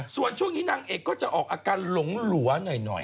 ส่วนช่วงนี้นางเอกก็จะออกอาการหลงหลัวหน่อย